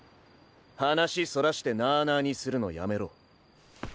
話そらしてなあなあにするのやめろ。